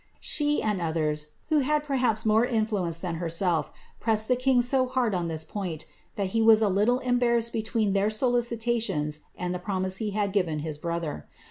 She and others, who had perhaps more influence than herself, pressed the king so hard on this points that he was a little embarrassed between their solicitations and the promise he had given his brother.